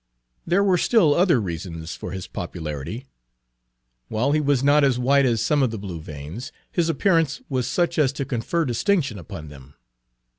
There were still other reasons for his popularity. While he was not as white as some of the Blue Veins, his appearance was such Page 4 as to confer distinction upon them.